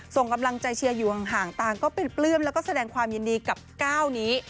ส่งกำลังใจเชียร์อยู่ห่างต่างก็เป็นปลื้มแล้วก็แสดงความยินดีกับก้าวนี้